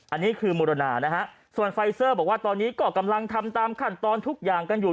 อันนี้คือมูลนานะฮะส่วนไฟเซอร์บอกว่าตอนนี้ก็กำลังทำตามขั้นตอนทุกอย่างกันอยู่